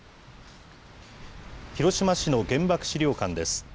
広島市の原爆資料館です。